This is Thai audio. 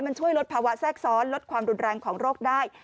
มันช่วยลดภาวะแทรกซ้อนลดความรุนแรงของโรคได้